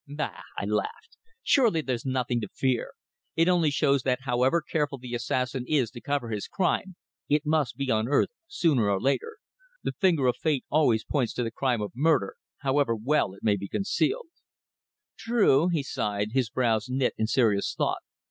"Bah!" I laughed. "Surely there's nothing to fear. It only shows that however careful the assassin is to cover his crime it must be unearthed sooner or later. The finger of Fate always points to the crime of murder, however well it may be concealed." "True," he sighed, his brows knit in serious thought.